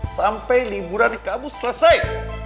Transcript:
sampai liburan kamu selesai